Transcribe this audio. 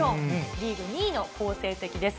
リーグ２位の好成績です。